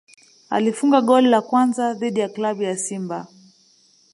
alifunga goli la kwanza dhidi ya klabu ya Simba